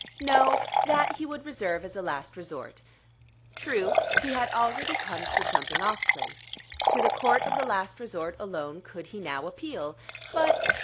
No; that he would reserve as a last resort. True, he had already come to the Jumping off Place; to the Court of the Last Resort alone could he now appeal. But